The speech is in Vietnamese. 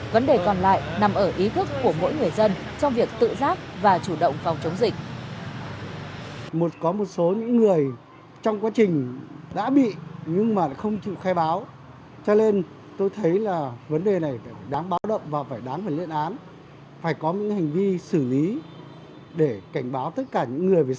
vấn đề còn lại nằm ở ý thức của mỗi người dân trong việc tự giác và chủ động phòng chống dịch